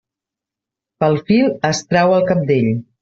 Pel fil es trau el cabdell.